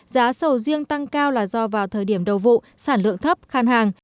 giá sầu riêng tăng cao là do vào thời điểm đầu vụ sản lượng thấp khăn hàng